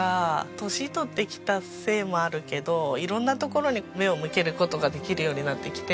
年とってきたせいもあるけど色んなところに目を向ける事ができるようになってきて。